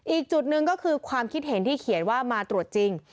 อีกจุดหนึ่งก็คือความคิดเห็นที่เขียนว่ามาตรวจจริง